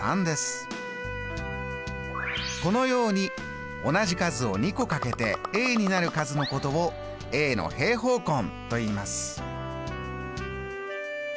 このように同じ数を２個かけてになる数のことをの平方根といいます。